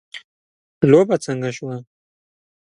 لوبه څنګه شوه